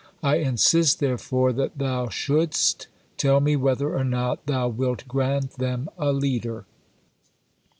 I insist, therefore, that Thou shouldst tell me whether or not Thou wilt grant them a leader."